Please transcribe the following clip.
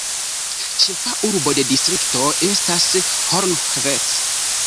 Ĉefa urbo de distrikto estas Hlohovec.